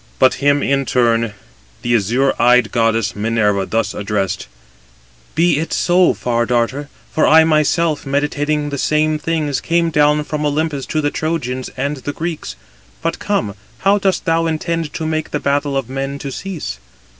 But him in turn the azure eyed goddess Minerva thus addressed: "Be it so, Far darter; for I myself, meditating the same things, came down from Olympus to the Trojans and the Greeks. But come, how dost thou intend to make the battle of men to cease?"